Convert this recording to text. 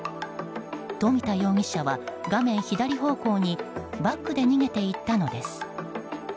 冨田容疑者は、画面左方向にバックで逃げていったのです。